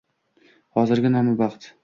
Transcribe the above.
Hozirgi nomi: Baxt.